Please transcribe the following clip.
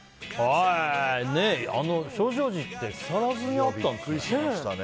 證誠寺って木更津にあったんですね。